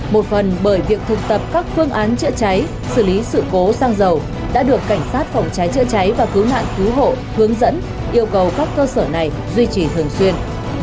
một phần bởi việc thực tập các phương án chữa cháy xử lý sự cố xăng dầu đã được cảnh sát phòng cháy chữa cháy và cứu nạn cứu hộ hướng dẫn yêu cầu các cơ sở này duy trì thường xuyên